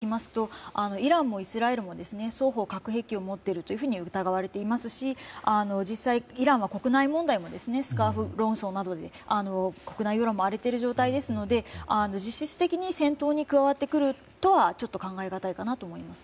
ただ、実際に軍事的な関与をするかというとイランもイスラエルも双方、核兵器を持っていると疑われていますし実際、イランは国内問題もスカーフ論争などで国内世論も荒れている状態ですので、実質的に戦闘に加わってくるとは考えがたいと思います。